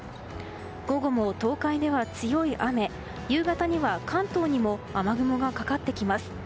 午後も東海では強い雨夕方には関東にも雨雲がかかってきます。